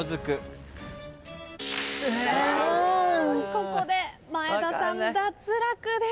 ここで前田さん脱落です。